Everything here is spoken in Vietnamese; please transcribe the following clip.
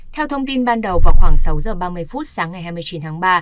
theo thông tin ban đầu vào khoảng sáu giờ ba mươi phút sáng ngày hai mươi chín tháng ba